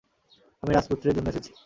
আমি রাজপুত্রের জন্য এসেছি!